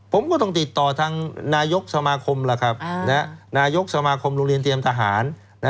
ผมก็ต้องติดต่อทางนายกสมาคมล่ะครับนายกสมาคมโรงเรียนเตรียมทหาร